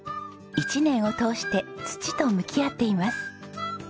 一年を通して土と向き合っています。